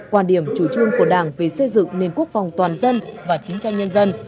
quan điểm chủ trương của đảng về xây dựng nền quốc phòng toàn dân và chính trang nhân dân